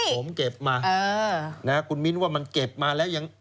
ผมเก็บมาเออนะครับคุณมิ้นว่ามันเก็บมาแล้วยัง